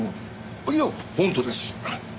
あっいや本当です。